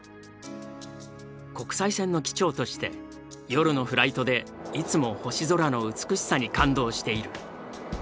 国際線の機長として夜のフライトでいつも星空の美しさに感動している。